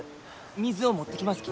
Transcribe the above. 水を持ってきますき